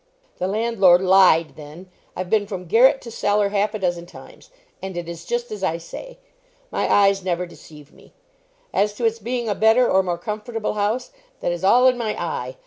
"The landlord lied, then. I've been from garret to cellar half a dozen times, and it is just as I say. My eyes never deceive me. As to its being a better or more comfortable house, that is all in my eye.